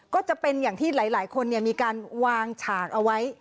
ก็จะเป็นอย่างที่หลายคนมีการวางฉากเอาไว้